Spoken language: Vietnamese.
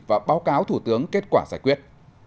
và báo cáo thủ tướng kết quả giải quyết